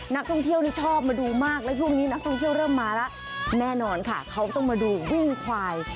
นักท่องเที่ยวนี่ชอบมาดูมากแล้วช่วงนี้นักท่องเที่ยวเริ่มมาแล้วแน่นอนค่ะเขาต้องมาดูวิ่งควาย